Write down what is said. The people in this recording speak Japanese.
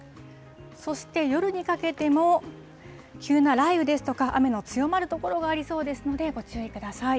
そして、夜にかけても、急な雷雨ですとか、雨の強まる所がありそうですので、ご注意ください。